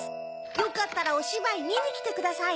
よかったらおしばいみにきてください。